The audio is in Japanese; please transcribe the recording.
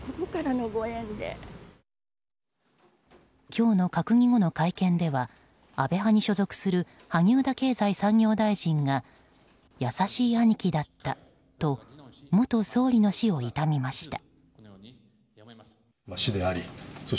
今日の閣議後の会見では安倍派に所属する萩生田経済産業大臣が優しい兄貴だったと元総理の死を悼みました。